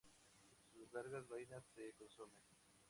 Sus largas vainas se consumen.